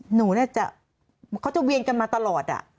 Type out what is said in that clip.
หนูเนี่ยจะเขาจะเวียนกันมาตลอด